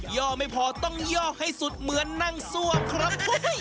่อไม่พอต้องย่อให้สุดเหมือนนั่งซ่วมครับ